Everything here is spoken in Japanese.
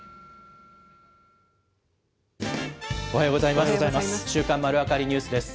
おはようございます。